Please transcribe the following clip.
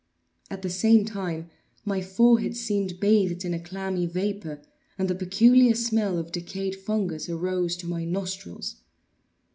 At the same time my forehead seemed bathed in a clammy vapor, and the peculiar smell of decayed fungus arose to my nostrils.